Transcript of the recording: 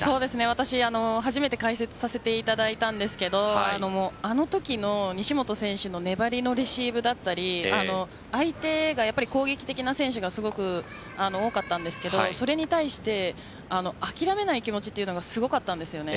私、初めて解説させていただいたんですがあのときの西本選手の粘りのレシーブだったり相手が攻撃的な選手がすごく多かったんですがそれに対して諦めない気持ちというのがすごかったんですよね。